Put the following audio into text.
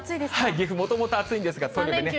岐阜、もともと暑いんですが。